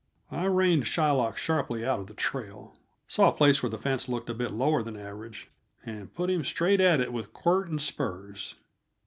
I reined Shylock sharply out of the trail, saw a place where the fence looked a bit lower than the average, and put him straight at it with quirt and spurs.